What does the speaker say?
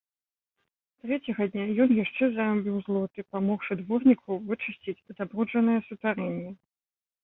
Трэцяга дня ён яшчэ зарабіў злоты, памогшы дворніку вычысціць забруджанае сутарэнне.